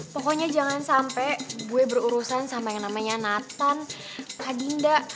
pokoknya jangan sampe gue berurusan sama yang namanya nathan kak dinda